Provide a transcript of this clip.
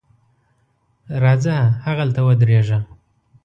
راځه هغلته ودرېږه.